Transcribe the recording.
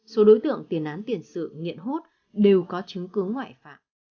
số đối tượng tiền án tiền sự nghiện hút đều có chứng cứ ngoại phạm